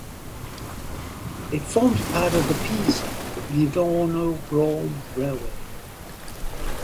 It forms part of the Pisa–Livorno–Rome railway.